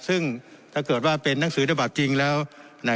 ซึ่งถ้าเกิดว่าเป็นนักสือได้บาปจริงแล้วน่ะ